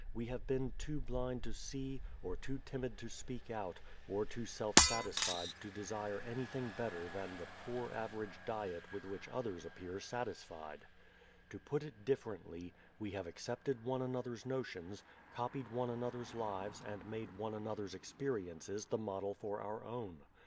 We have been too blind to see, or too timid to speak out, or too self satisfied to desire anything better than the poor average diet with which others appear satisfied. To put it differently, we have accepted one another's notions, copied one another's lives and made one another's experiences the model for our own.